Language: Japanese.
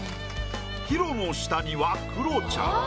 ＨＩＲＯの下にはクロちゃん。